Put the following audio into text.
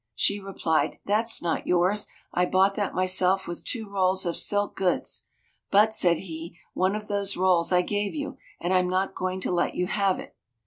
She replied, "That's not yours; I bought that myself with two rolls of silk goods." "But," said he, "one of those rolls I gave you, and I'm not going to let you have it."